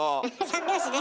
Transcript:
三拍子ね？